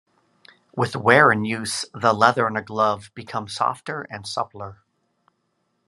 With wear and use, the leather in a glove became softer and suppler.